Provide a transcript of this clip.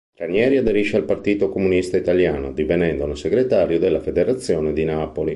Ranieri aderisce al Partito Comunista Italiano, divenendone Segretario della Federazione di Napoli.